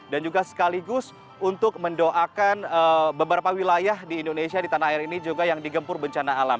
dan juga sekaligus untuk mendoakan beberapa wilayah di indonesia di tanah air ini juga yang digempur bencana alam